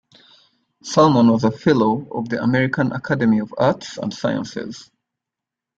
Salmon was a fellow of the American Academy of Arts and Sciences.